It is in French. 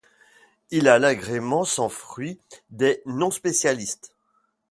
Il a l’agrément sans fruit des non-spécialistes.